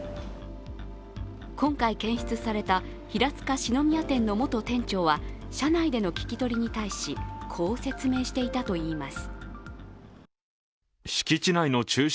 今回検出された平塚四之宮店の元店長は社内での聴き取りに対しこう説明していたといいます。